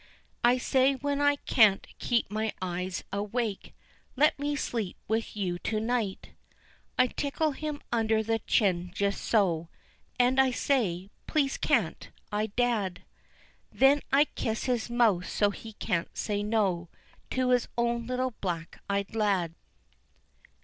I say, when I can't keep my eyes awake, "Let me sleep with you to night." I tickle him under the chin just so And I say, "Please can't I, dad?" Then I kiss his mouth so he can't say no, To his own little black eyed lad.